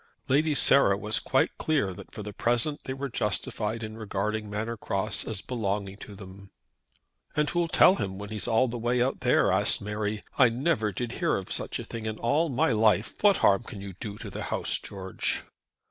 Lady Sarah was quite clear that for the present they were justified in regarding Manor Cross as belonging to them. "And who'll tell him when he's all the way out there?" asked Mary. "I never did hear of such a thing in all my life. What harm can you do to the house, George?"